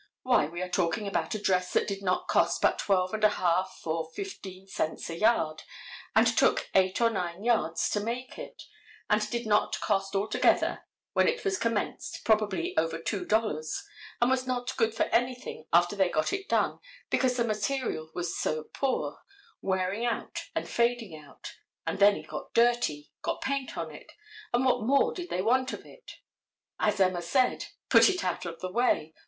Why, we are talking about a dress that did not cost but twelve and a half or fifteen cents a yard and took eight or nine yards to make it, and did not cost altogether when it was commenced probably over two dollars, and was not good for anything after they got it done, because the material was so poor, wearing out and fading out. And then it got dirty, got paint on it, and what more did they want of it? As Emma said, "Put it out of the way.